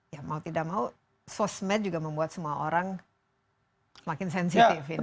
ya mau tidak mau sosmed juga membuat semua orang makin sensitif ini